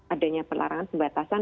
adanya pelarangan pembatasan